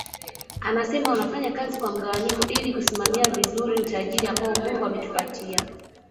Anasema wanafanya kazi kwa mgawanyiko ili kusimamia vizuri utajiri ambao Mungu ametupatia